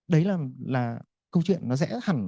đấy là là câu chuyện nó dễ hẳn